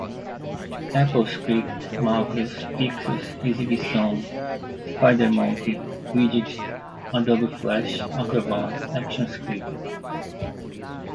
applescript, macros, pixels, exibição, spidermonkey, widget, adobe flash, acrobrat, actionscript